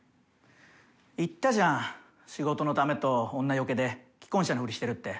言ったじゃん仕事のためと女よけで既婚者のふりしてるって。